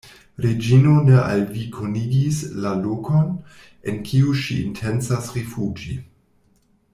Reĝino ne al vi konigis la lokon, en kiun ŝi intencas rifuĝi.